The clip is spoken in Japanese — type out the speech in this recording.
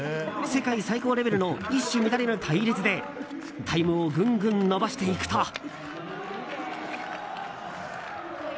世界最高レベルの一糸乱れぬ隊列でタイムをぐんぐん伸ばしていくと。